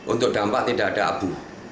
untuk dampak tidak ada abu